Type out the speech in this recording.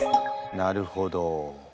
なるほど。